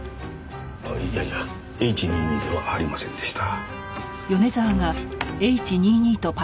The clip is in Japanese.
あっいやいや「Ｈ２２」ではありませんでした。